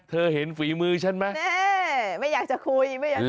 เห็นฝีมือฉันไหมแม่ไม่อยากจะคุยไม่อยาก